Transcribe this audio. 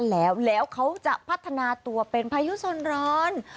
แล้วเขาจะพัฒนาตัวเป็นพายุสนร้อน